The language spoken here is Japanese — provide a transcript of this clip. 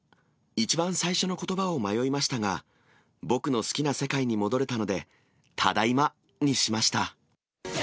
一番最初のことばを迷いましたが、僕の好きな世界に戻れたので、ただいまにしました。